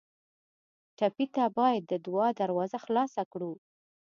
ټپي ته باید د دعا دروازه خلاصه کړو.